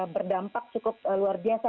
berdampak cukup luar biasa